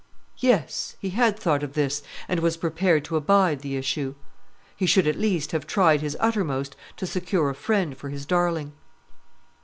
Yes; he had thought of this, and was prepared to abide the issue. He should, at least, have tried his uttermost to secure a friend for his darling.